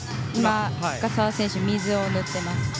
深沢選手、水を塗ってます。